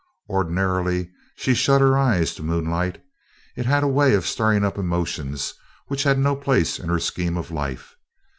Ordinarily, she shut her eyes to moonlight, it had a way of stirring up emotions which had no place in her scheme of life.